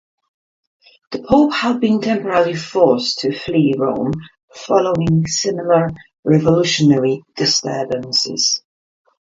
The pope had been temporarily forced to flee from Rome following similar revolutionary disturbances.